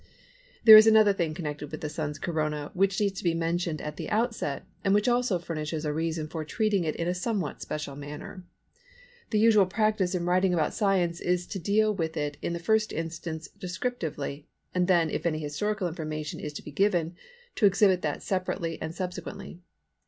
There is another thing connected with the Sun's Corona which needs to be mentioned at the outset and which also furnishes a reason for treating it in a somewhat special manner. The usual practice in writing about science is to deal with it in the first instance descriptively, and then if any historical information is to be given to exhibit that separately and subsequently.